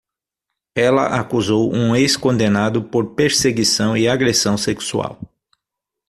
Ela acusou um ex-condenado por perseguição e agressão sexual.